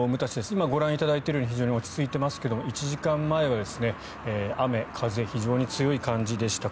今、ご覧いただいているように非常に落ち着いていますが１時間前は雨、風非常に強い感じでした。